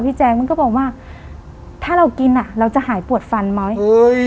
แจ๊คมันก็บอกว่าถ้าเรากินอ่ะเราจะหายปวดฟันไหม